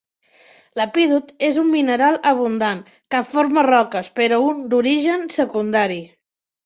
L'epídot és un mineral abundant que forma roques, però un d'origen secundari.